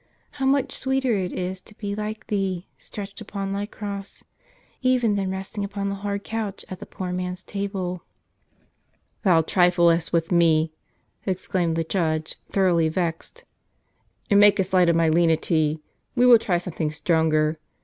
How much sweeter it is to be like Thee, stretched upon Thy Cross, even than resting upon the hard couch at the poor man's table !" "Thou triflest with me," exclaimed the judge, thoroughly vexed, " and makest light of my lenity. We will try some thing stronger.